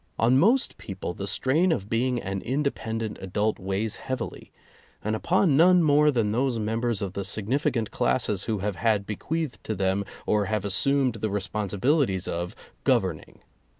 On most people the strain of being an independent adult weighs heavily, and upon none more than those members of the significant classes who have had bequeathed to them or have assumed the responsibilities of governing.